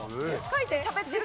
書いて！